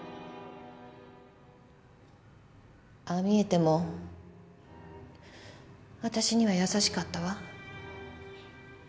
ああ見えても私には優しかったわ。